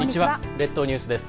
列島ニュースです。